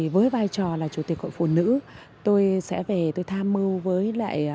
với vai trò là chủ tịch hội phụ nữ tôi sẽ về tôi tham mưu với lại